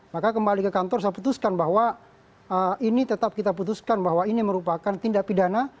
maka kembali ke kantor saya putuskan bahwa ini tetap kita putuskan bahwa ini merupakan tindak pidana